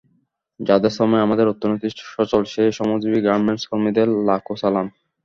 যাঁদের শ্রমে আমাদের অর্থনীতি সচল সেই শ্রমজীবি গার্মেন্টস কর্মীদের লাখো সালাম।